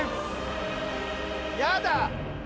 やだ！